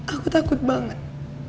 aku takut banget